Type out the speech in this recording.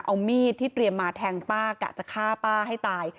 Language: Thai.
เอามีดที่เตรียมมาแทงป้ากะจะฆ่าป้าให้ตาย